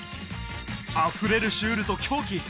あふれるシュールと狂気。